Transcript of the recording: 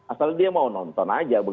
asal dia mau nonton aja